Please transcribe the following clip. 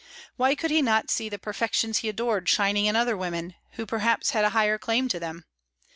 Why could he not see the perfections he adored shining in other women, who perhaps had a higher claim to them?